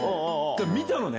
見たのね。